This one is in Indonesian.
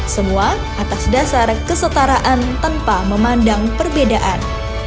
semua atas dasar kesetaraan tanpa memandang perbedaan